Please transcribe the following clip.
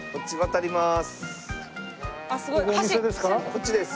こっちです。